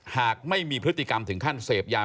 หากไม่มีพฤติกรรมถึงขั้นเสพยา